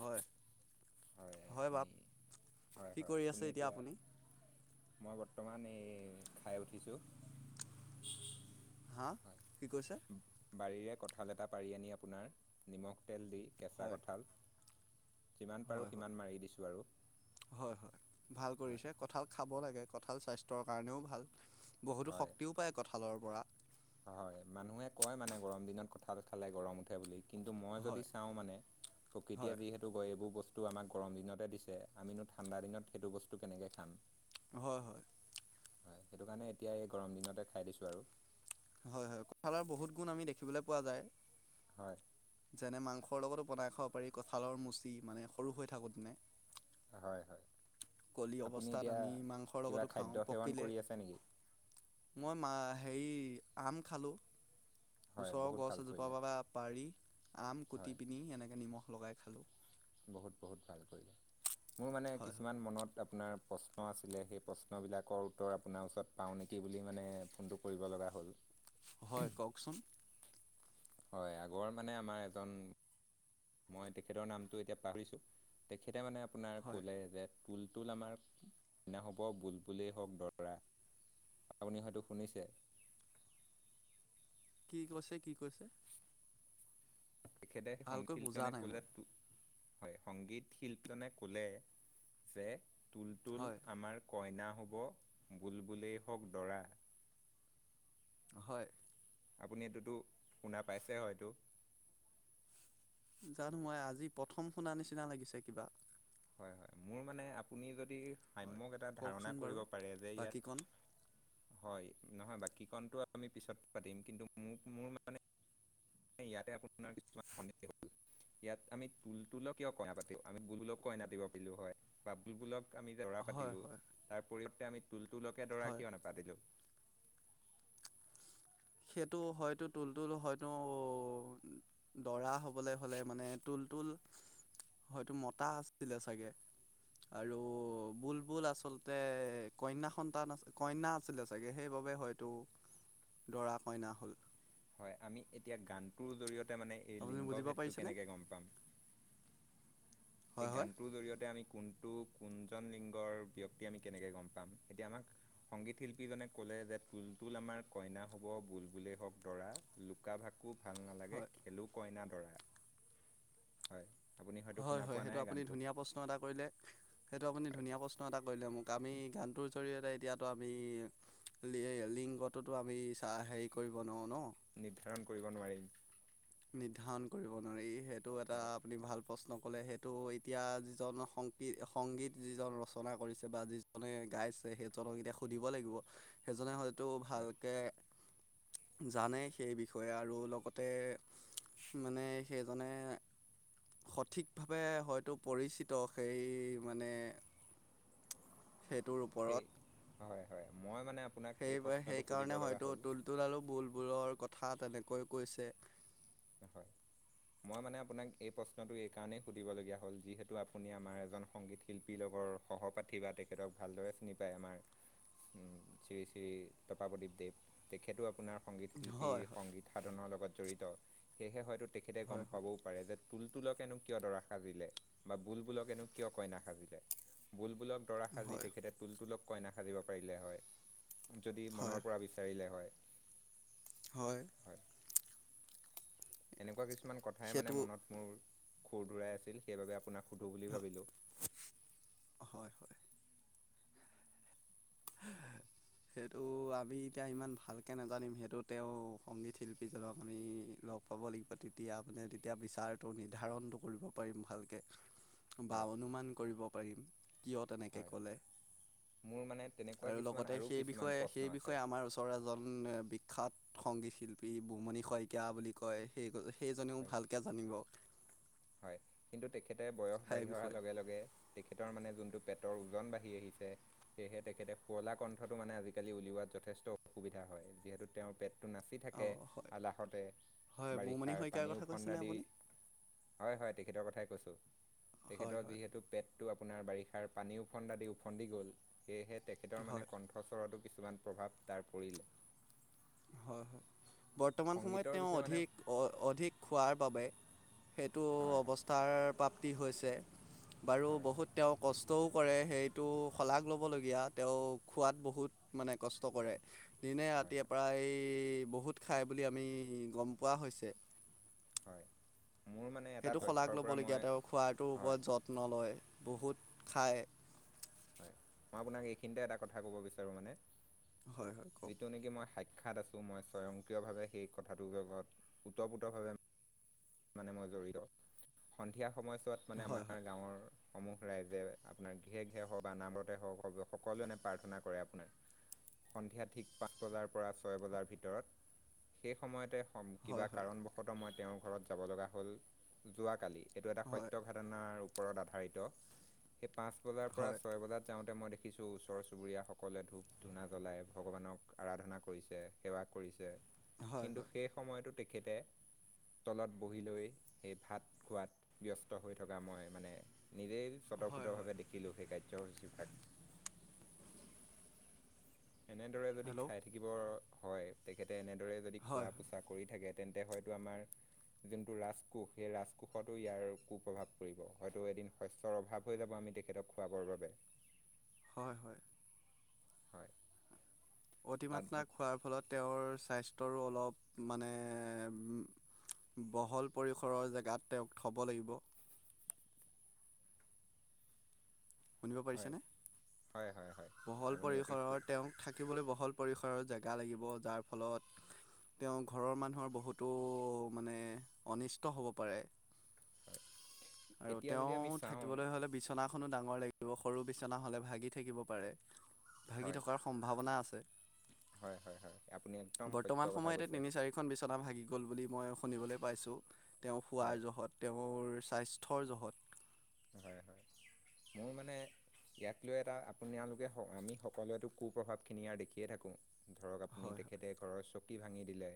হয় হয় আপুনি, কি কৰি আছে আপুনি এতিয়া, মই বৰ বৰ্তমান আমি খাই উঠিছো। হা, কি কৈছে? বাৰীৰে কঁঠাল এটা পাৰি আনি আপোনাৰ, নিমখ তেল দি কেঁচা হয় কঁঠাল। যিমান পাৰোঁ হয়, সিমান মাৰি দিছোঁ আৰু হয়, হয়, ভাল কৰিছে কঠাল খাব লাগে। কঁঠাল স্বাস্থ্যৰ কাৰণেও ভাল, বহুতো হয় শক্তিও পায় কঁঠালৰ পৰা। হয় মানুহে কয় মানে গৰম দিনত কঁঠাল খালে গৰম উঠে বুলি। কিন্তু মই হয় যদি চাওঁ মানে, প্ৰকৃতিয়ে হয় যিহেতু [unintelligible] এইবোৰ বস আৰু আমাক গৰম দিনতে দিছে, আমিনো ঠাণ্ডা দিনত সেইটো বস্তু কেনেকে খাম? হয়, হয়, হয়, সেইটো কাৰণে এতিয়া এই গৰম দিনতে খাই দিছোঁ আৰু। হয়, হয়, কঁঠালৰ বহুত গুণ আমি দেখিবলৈ পোৱা যায়। হয়, যেনে মাংসৰ লগতো বনাই খাব পাৰি, কঁঠালৰ মুচি মানে সৰু হৈ থাকোঁতে। হয়, হয়, কলি আপুনি অৱস্থাত এতিয়া আমি মাংসৰ কিবা লগতো খাওঁ খাদ্য সেৱন পকিলে কৰি আছে নেকি? মই মা হেৰি, আম খালোঁ। হয় ওচৰৰ বহুত গছ ভাল এজোপাৰ কৰিলে পৰা আম পাৰি, আম হয়। কুটি পিনি এনেকে নিমখ লগাই খালোঁ। বহুত বহুত ভাল কৰিলে, মোৰ মানে হয় হয় কিছুমান মনত আপোনাৰ প্ৰশ্ন আছিলে সেই প্ৰশ্নবিলাকৰ উত্তৰ আপোনাৰ ওচৰত পাওঁ নেকি বুলি মানে ফোনটো কৰিব ল কৰা হ'ল। হয়, কওকচোন। হয়, আগৰ মানে আমাৰ এজন মই তেখেতৰ নামটো এতিয়া পাহৰিছোঁ, তেখেতে মানে আপোনাৰ হয় কলে যে তুলতুল আমাৰ কইনা হ'ব, বুলবুলেই হওক দৰা। আপুনি হয়তো শুনিছে। কি কৈছে? কি কৈছে? তেখেতে ভালকৈ বুজা সংকীলজনে নাই মই ক'লেটো। হয়, সংগীত শিল্পজনে ক'লে যে তুলতুল হয় আমাৰ কইনা হ'ব, বুলবুলেই হওক দৰা। হয়। আপুনি এইটোতো শুনা পাইছে হয়টো? জানো মই আজি প্ৰথম শুনা নিচিনা লাগিছে কিবা। হয়, হয়। মোৰ মানে আপুনি যদ হয় সাম্যক এটা ধাৰণা কওকচোন কৰিব বাৰু পাৰে যে বাকীকণ ইয়াত হয়। নহয় বাকীকণটো আমি পিছত পাতিম। কিন্তু মোক মোৰ মানে ইয়াতে আপোনাৰ কিছুমান [unintelligible] ইয়াত আমি তুলতুলক কিয় কইনা পাতিম? আমি বুলবুলক কইনা দিব পাৰিলো হয় বা বুলবুলক আমি দৰা হয় পাতিলো, হয় তাৰ পৰিৱৰ্তে আমি তুলতুলকে দৰা হয় কিয় নাপাতিলো? সেইটো হয়তো তুলতুল হয়তো দৰা হবলে হলে মানে তুল তুল হয়তো মতা আছিলে চাগে। আৰু বুলবুল আচলতে কন্যা সন্তান আছে কন্যা আছিলে চাগে। সেইবা খুবে হয়তো [inaudible] দৰা-কইনা হ'ল। হয়, আমি এতিয়া গানটোৰ জৰিয়ত তে মানে এই আপুনি বুজিব লিংগভেদটো পাৰিছেনে কেনেকে গম পাম? এই হয় হয় গানটোৰ জৰিয়তে আমি কোনটো কোন কোনজন লিংগৰ ব্যক্তি কেনেকৈ গম পাম? এতিয়া আমাক সংগীত শিল্পী জনে আমাক ক'লে যে তুলতুল আ আমাৰ কইনা হ'ব, বুলবুল হওক দৰা। লুকা-ভাকু ভাল নালাগে হয় খেলো কইনা দৰা হয় আপুনি হয়তো হয় শুনা হয় পোৱা সেইটো নাই আপুনি গানটো ধুনীয়া প্ৰশ্ন এটা কৰিলে সেইটো আপুনি হয় ধুনীয়া প্ৰশ্ন এটা কৰিলে মোক- আমি গানটোৰ জৰিয়তে এতিয়াটো আমি লিংগটোতো আমি চাহ হেৰি কৰিব নোৱাৰোঁ ন নিৰ্ধাৰণ কৰিব নোৱাৰিম। নিৰ্ধাৰণ কৰিব নোৱাৰি। সেইটো এটা হয় আপুনি ভাল প্ৰশ্ন ক'লে সেইটো এতিয়া যিজন সংগীত সংগীত যিজন ৰচনা কৰিছে বা যিজনে গাইছ সেইজনক এতিয়া সুধিব লাগিব। সেইজনে হয় টো হয় ভালকে জানে সেই বিষয়ে আৰু লগতে মানে সেইজনে সঠিকভাৱে হয়তো পৰিচিত সেই মানে [inaudible] সেইটোৰ সেই ওপৰত হয় হয় মই মানে আপোনাক এই সেই বা প্ৰশ্নটো সুধিব সেইকাৰণে লগা হয়তো হ'ল তুলতুল আৰু বুলবুলৰ কথা তেনে কৈ কৈছে। হয়। মই মানে আপোনাক এই প্ৰশ্নটো এই কাৰণেই সুধিব লগা হ'ল যিহেতু আপুনি আমাৰ এজন সংগীত শিল্পী [unintelligible] সহপাঠী বা তেখেতক ভালদৰে চিনি পায়। আমাৰ উম, শ্ৰী শ্ৰী পপাপদীপদেৱ, তেখেতো আপোনাৰ সংগীত শিল্পী, হয় হয় সংগীত সাধনৰ লগত জড়িত। সেয়েহে হয়তো তেখেতে গম হয় হয় পাবও পাৰে যে তুলতুলকেনো কিয় দৰা সাজিলে বা বুলবুলকেনো কিয় কইনা সাজিলে? বুল বুলবুলক দৰা সাজি হয় তেখেতে তুলতুলক কইনা সাজিব পাৰিলে হয়। যদি হয় মনৰ পৰা বিচাৰিলে হয়। হয় এনেকুৱা কিছুমান কথাই মানে সেইটো মনত মোৰ খুৰ দূৰাই আছিল সেইবাবে আপোনাক- সোধো‌ বুলি ভাবিলোঁ। হয় হয় সেইটো আমি এতিয়া ইমান ভালকে নাজানিম সেইটো তেওঁ সংগীত শিল্পীজনক আমি- লগ পাব লাগিব তেতিয়া মে তেতিয়া বিচাৰটো নিৰ্ধাৰণটো কৰিব পাৰিম ভালকে। বা হয় অনুমান কৰিব পাৰিম। কিয় তেনেকে হয় ক'লে মোৰ মানে তেনেকুৱা আৰু কিছুমান লগত। তে সেই কিছুমান বিষয়ে প্ৰশ্ন সেই আছে বিষয়ে আমাৰ ওচৰ এজন এজন বিষ খ্যাত সংগী শিল্পী বুমণি শইকীয়া বুলি কয় সেইগ সে সেইজনেও হয় ভালকে জানিব। হয় কিন্তু তেখেতে বয়স ঠাইৰ বাঢ়ি অহাৰ বিষয়ে লগে লগে। তেখেতৰ মানে যোনটো পেটৰ ওজন বাঢ়ি আহিছে সেয়েহে তেখেতে শুৱলা কণ্ঠটো মানে আজিকালি উলিওৱা। বা যথেষ্ট অসুবিধা হয় যিহেতু তেওঁৰ পেট। টো নাচি থাকে অঁ হয় আলাহতে হয় বুমণি বাৰিষাৰ শইকীয়াৰ পানী কথা উফন্দা কৈছেনে দি। আপুনি হয় হ‌য় তেখেতৰ কথাই কৈছো। হয় তেখেতৰ হয় যিহেতু পেটতো আপ আপোনাৰ বাৰিষাৰ পানী ওফন্দা দি ওফন্দি গ'ল সেয়েহে তেখেতৰ মানে হয় কণ্ঠস্বৰটো। কিছুমান প্ৰভাৱ তাৰ পৰিলে। হয় হয় বৰ্তমান সময়ত সংগীতৰ তেওঁ বিষয়ে মানে অধিক অ অধিক খোৱাৰ বাবে। সেইটো হয় হয় অৱস্থাৰ প্ৰাপ্তি হৈছে বাৰু হয় হয় বহুত তেওঁ কষ্ কষ্টও কৰে সেইটো সলাগ ল'বলগীয়া তেওঁ খোৱাত বহুত মানে কষ্ট কৰে। দিনে হয় ৰাতিয়ে হয় প্ৰায় এই বহুত খায় বুলি আমি গম পোৱা হৈছে। হয়। মোৰ মানে এটা সেইটো সলাগ তথ্যৰ পৰা মই ল'বলগীয়া তেওঁ খোৱাটোৰ হয় ওপৰত যত্ন লয় বহুত খায়। হয় মই আপোনাক এইখিনিতে এটা কথা কব বিচাৰো মানে হয় হয় কওক যিটো নিকি মই সাই খ্যাত আছো মই স্বয়ংক্ৰিয়ভাৱে সেই কথাটো জনোৱাত ওতঃপ্ৰোতভাৱে মানে মই জড়িত সন্ধিয়া সময়ছোৱাত মানে আমাৰ হয় হয় গাঁৱৰ সমূহ ৰাইজে আপোনাৰ হে হওক বা নামঘৰতে হওক সকলোৱে এনে প্ৰাৰ্থনা কৰে আপোনাৰ। সন্ধিয়া ঠিক পাঁচ বজাৰ পৰা ছয় বজাৰ ভিতৰত সেই সময়তে। অ কিবা হয় হয় কাৰণবশতঃ মই তেওঁৰ ঘৰত যাব লগা হ'ল যোৱাকালি। এইটো এটা হয় সত্য ঘাটনাৰ ওপৰত আধাৰিত সেই পাঁচ বজাৰ পৰা হয় ছয় বজাত যাওঁতে মই। দেখিছোঁ ওচৰ চুবুৰীয়াসকলে ধূপ ধূনা জ্বলাই ভগৱানক আৰাধনা কৰিছে সেৱা কৰিছে। হয় কিন্তু হয় সেই সময়তো তেখেতে। তলত বহি লৈ সেই ভাত খোৱাত ব্যস্ত হৈ থকা মই মানে। নিজেই হয় হয় স্বটফুটভাৱে দেখিলো সেই কাৰ্যসূচীভাগ। এনেদৰে যদি হেল্ল' খাই থাকিবৰ হয় তেখেতে এনেদৰে যদি খোৱা হয় হয় পোচা কৰি থাকে। তেন্তে হয়তো আমাৰ। যোনটো ৰাজকোষ সেই ৰাজকোষ তো ইয়াৰ কু প্ৰভাৱ পৰিব হয়তো এদিন শস্যৰ অভাৱ হৈ যাব আম তেখেতক খুৱাবৰ বাবে। হয় হয়। হয়। তাত অতিমাত্ৰা খোৱাৰ ফলত তেওঁৰ স্বাস্থ্যৰো অলপ মানে উম। বহল পৰিসৰৰ জেগাত তেওঁক থব লাগিব। শুনিব হয় পাৰিছেনে। হয় হয় হয় বহল আপুনি অতি সু পৰিসৰৰ তেওঁক থাকিবলৈ বহল পৰিসৰৰ জেগ গা লাগিব যাৰ ফলত। তেওঁ ঘৰৰ মানুহৰ বহুতো মানে অনিষ্ট হব পাৰে। হয় আৰু এতিয়া তেওঁ যদি আমি চাওঁ থাকিবলৈ হলে বিচনাখনত। ডাঙৰ লাগিব সৰু বিচনা হলে ভাগি থাকিব পাৰে ভাগি হয় থকাৰ সম্ভাৱনা আছে। হয় হয় হয় আপুনি একদম সত্য বৰ্তমান কথা সময়তে কৈছে তিনি চাৰিখন বিচনা ভাগি গ'ল বুলি মই। শুনিবলৈ পাইছোঁ তেওঁ হয় শোৱাৰ জহত তেওঁৰ স্বাস্থ্যৰ জহত। হয়-হয় মোৰ মানে ইয়াক লৈ এটা আপোনালোকে আমি সকলোৱেটো কু প্ৰভাৱ খিনি ইয়াৰ দেখিয়ে থাকো। ধৰক আপুনি হয় তেখেতে ঘৰৰ চকী ভাঙি দিলে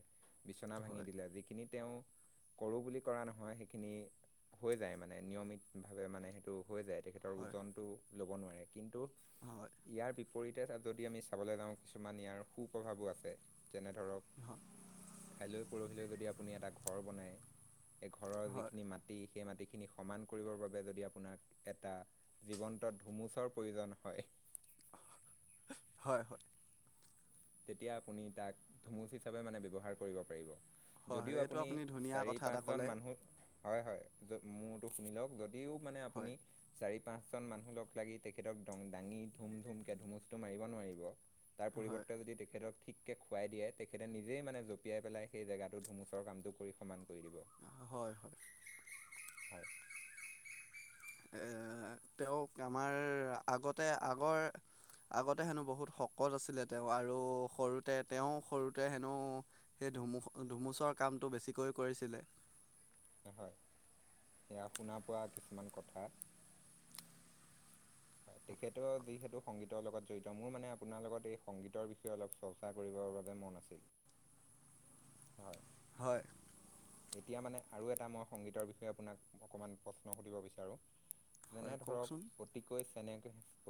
বিচনা ভাঙি হয় দিলে যিখিনি তেওঁ কৰো বুলি কৰা নহয় সেইখিনি হৈ যায় মানে নিয়মিত ভাৱে মানে সেইটো হৈ যায় তেখেতৰ হয় ওজনটো লব নোৱাৰে কিন্তু হয় ইয়াৰ পৰীতে যদি আমি চাবলৈ যাওঁ কিছুমান ইয়াৰ সু প্ৰভাৱো আছে যেনে ধৰ [unintelligible] কালি পৰহিলৈ যদি আপুনি এটা ঘৰ বনাই এ ঘৰৰ হয় যিখিনি মাটি সেই মাটি খিনি সমান কৰিবৰ বাবে যদি আপোনাক এটা জীৱন্ত ধুমুচৰ প্ৰয়োজন হয় [unintelligible] হয়-হয়। তেতিয়া আপুনি তাক ধুমুচ হিচাপে মানে ব্যৱহাৰ কৰিব পাৰিব। যদিও হয় এইটো আপুনি ধুনীয়া চাৰি কথা এটা পাঁচজন ক'লে মানুক হয়-হয় মোৰটো শুনি লওক যদিও মানে হয় আপুনি চাৰি পাঁচ জন মানুহ লগ লাগি তেখেতক দং দাঙি ধুম- ধুম কে ধুমুচটো মাৰিব নোৱাৰিব। তাৰ পৰিব হয় তেখেতক ঠিককে খুৱাই দিয়ে তেখেতে নিজেই মানে জপিয়াই পেলাই সেই জেগাটো ধুমুচৰ কামটো কৰি সমান কৰি দিব। হয়-হয়। হয়। এ তেওঁক আমাৰ আগতে আগৰ আগতে হেনো বহুত শকত আছিলে তেওঁ আৰু সৰুতে তেওঁ সৰুতে হেনো ধুমুচৰ কামটো বেছিকৈ কৰিছিলে। [unintelligible] অ, হয়, এয়া শুনা পোৱা কিছুমান কথা হয় তেখেতৰ যিহেতু সংগীতৰ লগত জড়িত মোৰ মানে আপোনাৰ লগত এই সংগীতৰ বিষয়ে অলপ চৰ্চা কৰিব [unintelligible] বাবে মন আছিল, হয়, হয়, এতিয়া মানে আৰু এটা মই সংগীতৰ বিষয়ে আপোনাক অকণমান প্ৰশ্ন সুধিব বিচাৰো যেনে হয় ধৰক কওকচোন অতিকৈ চেনেহ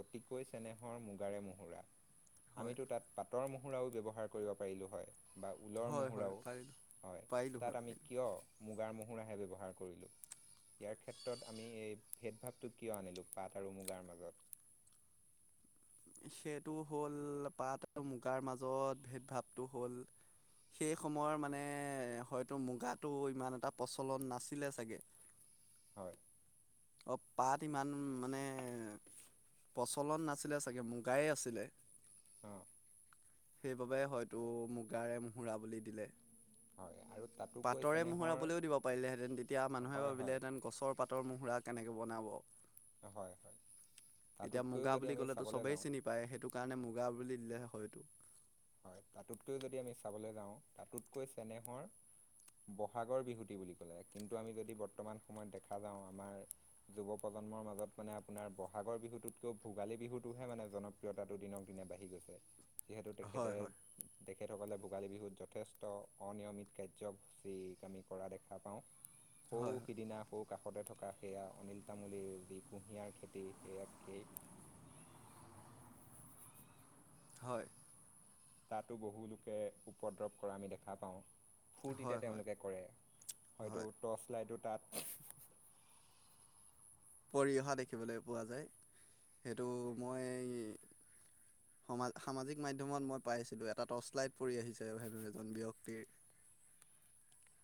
অতিকৈ চেনেহৰ মুগাৰে মুহুৰা। হয় আমিতো তাত পাতৰ মুহুৰাও ব্যৱহাৰ কৰিব পাৰিলো হয়। বা ঊলৰ হয় হয় মুহুৰাও পাৰিলে হয় পাৰিলোঁ তাত হয় আমি পাৰিলোঁ কিয় মুগাৰ মহুৰাহে ব্যৱহাৰ কৰিলো। ইয়াৰ ক্ষেত্ৰত আমি এই ভেদভাৱটো কিয় আনিলো পাট আৰু মুগাৰ মাজত। [inaudible] সেইটো হল পাট আৰু মুগাৰ মাজত ভেদ ভাৱটো হল সেই সময়ৰ মানে হয়তো মুগাটো ইমান এটা প্ৰচলন নাছিলে চাগে। হয়। অ' পাট ইমান মানে প্ৰচলন নাছিলে চাগে মুগায়ে আছিলে। অ'। সেইবাবে হয়তো মুগাৰে মুহুৰা বুলি দিলে। হয় আৰু তাতোকৈ পাটৰে চেনেহৰ মহুৰাবুলিও দিব পাৰিলেহেতেন তেতিয়া মানুহে হয় হয় ভাবিলেহেতেন গছৰ পাতৰ মহুৰা। তেনেকে বনাব। হয়-হয়। এতিয়া মুগা বুলি কলেতো চবেই চিনি পায় সেইটো কাৰণে মুগা বুলি দিলে হয়তো। হয় তাতোতকৈ যদি আমি চাবলৈ যাওঁ তাতোতকৈ চেনেহৰ বহাগৰ বিহুতি বুলি কলে কিন্তু আমি যদি বৰ্তমান সময়ত দেখা যাওঁ আমাৰ যুৱ প্ৰজন্ম প্ৰজন্মৰ মাজত মানে আপোনাৰ বহাগৰ বিহুটোতকৈও ভোগালী বিহুটোহে মানে জনপ্ৰিয়তাটো দিনক দিনে বাঢ়ি গৈছে। যিহেতু তেখেতে হয়-হয়। তেখেতসকলে ভোগালী বিহুত যথেষ্ট অনিয়মিত কাৰ্যসূচীক আমি কৰা দেখা পাওঁ। সৌ হয় সিদিনা সৌ [unintelligible] কাষতে থকা সেয়া অনিল তামুলীৰ যি কুঁহিয়াৰ খেতি সেয়াকেই [inaudible] হয়। তাতো বহুলোকে উপদ্ৰৱ কৰা আমি দেখা পাওঁ। ফূৰ্তে হয় হয় হয় তেওঁলোকে কৰে হয় হয়তো টৰ্চ লাইডটো তাত। পৰি অহা দেখিবলৈ পোৱা যায় সেইটো মই সমা সামাজিক মাধ্যমত মই পাইছিলোঁ এটা টৰ্চ লাইট পৰি আহিছে এজন ব্যক্তিৰ। [inaudible]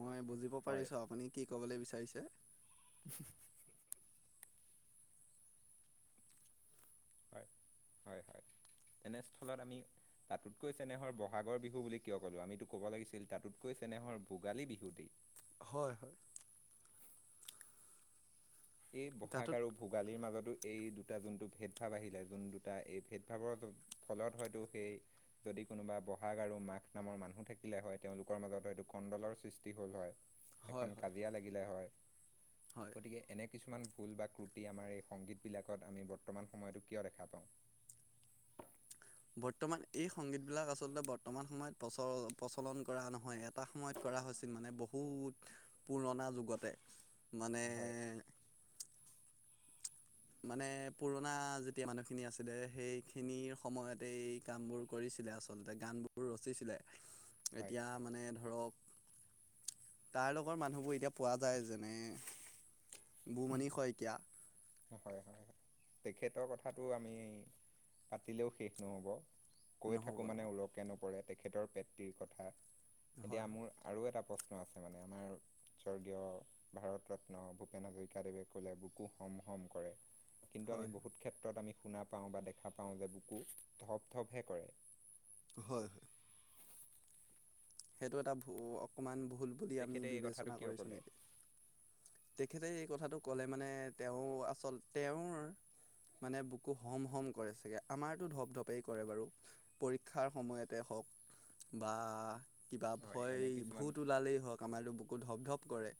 মই বুজিব হয় পাৰিছো আপুনি কি ক'বলৈ বিচাৰিছে। [unintelligible] হয় হয় হয় এনেস্থলত আমি। তাতোতকৈ চেনেহৰ বহাগৰ বিহু বুলি কিয় ক'লো, আমিতো ক'ব লাগিছিল তাতোতকৈ চেনেহৰ ভোগালী বিহু টি। হয় হয়। সেই বহাগ তাতোত আৰু ভোগালীৰ মাজতো। এই দুটা যোনটো ভেদভাৱ আহিলে যোন দুটা এই ভেদ ভাৱৰ ফলত হয়তো সেই যদি কোনোবা বহাগ আৰু মাঘ নামৰ মানুহ থাকিলে হয় তেওঁলোকৰ মাজত হয়তো কণ্ডলৰ সৃষ্টি হ'ল হয়। হয় এখন হয় কাজিয়া লাগিলে হয়। হয় গতিকে। এনে কিছুমান ভুল বা ক্ৰুটি আমাৰ এই সংগীতবিলাকত আমি বৰ্তমান সময়তো কিয় দেখা পাওঁ। [inaudible] বৰ্তমান এই সংগীতবিলাক আচলতে বৰ্তমান সময়ত প্ৰচ প্ৰচলন কৰা নহয় এটা সময়ত কৰা হয়। আছিল মানে বহুত পুৰণা যুগতে মানে। হয় মানে পুৰণা যেতিয়া মানুহখিনি আছিলে সেইখিনিৰ সময়তে এই কামবোৰ কৰিছিল। ছিলে আচলতে গানবোৰ ৰচিছিলে হয় এতিয়া মানে ধৰক তাৰ লগৰ মানুহবোৰ এতিয়া পোৱা যায় যেনে। বুমণি শইকীয়া। হয় হয় হয় তেখেতৰ কথাটো আমি পাতিলেও শেষ নহ'ব। কৈ থাকো নহ'ব মানে নহ'ব ওলকে নপৰে তেখেতৰ পতৃৰ কথা এতিয়া হয় মোৰ আৰু এটা প্ৰশ্ন। আছে মানে আমাৰ স্বৰ্গীয় ভাৰত ৰত্ন ভূপেন হাজৰিকা দেৱে ক'লে বুকু হম হম। কৰে। কিন্তু আমি হয় বহুত ক্ষেত্ৰত আমি শুনা পাওঁ বা দেখা পাওঁ যে বুকু থপ থপহে কৰে। হয় হয়। সেইটো এটা ভু অকণমান ভুল বুলি আমি তেখেতে এই কথাটো বিবেচনা কিয় কৰিছোঁ ক'লে নেকি? তেখেতে এই কথাটো ক'লে মানে তেওঁ আচল তেওঁৰ মানে বুকো হম হম কৰে চাগে আমাৰতো ধপ ধপেই কৰে বাৰু পৰীক্ষাৰ সময়তে। হওক [inaudible] বা কিবা হয় এনে ভয় কিছুমান ভূত ওলালেই হওক আমাৰতো বুকু ধপ ধপ কৰে।